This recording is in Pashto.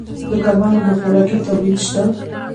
د کبانو د خوراکې تولید شته